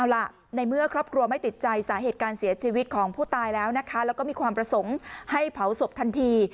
เอาล่ะในเมื่อครอบครัวไม่ติดใจสาเหตุการเสียชีวิตของผู้ตายแล้วนะคะแล้วก็มีความประสงค์ให้เผาศพทันที